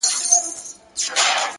صبر د هیلو د ونې ساتونکی دی؛